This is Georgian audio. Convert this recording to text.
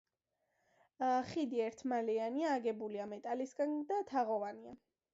ხიდი ერთმალიანია, აგებულია მეტალისაგან და თაღოვანია.